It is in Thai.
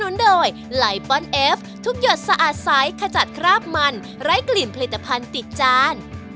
แล้วก็ตามท้องตลาดทั่วไปให้โฆษณาดีกว่า